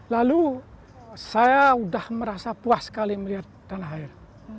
lalu saya sudah merasa puas sekali melihat tanah air